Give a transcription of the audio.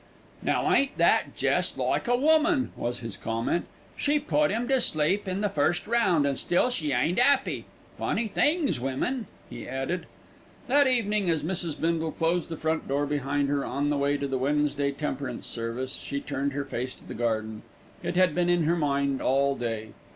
"Now ain't that jest like a woman?" was his comment. "She put 'im to sleep in the first round, an' still she ain't 'appy. Funny things, women," he added. That evening as Mrs. Bindle closed the front door behind her on her way to the Wednesday temperance service, she turned her face to the garden; it had been in her mind all day.